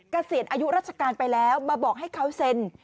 เกษียณอายุราชการไปแล้วมาบอกให้เขาเซ็น